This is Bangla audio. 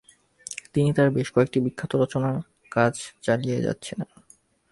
তিনি তাঁর বেশ কয়েকটি বিখ্যাত রচনার কাজ চালিয়ে যাচ্ছিলেন।